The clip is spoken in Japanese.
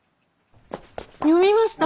読みました！